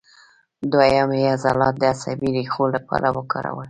دوهیم یې عضلات د عصبي ریښو لپاره وکارول.